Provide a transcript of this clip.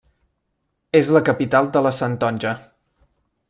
És la capital de la Santonja.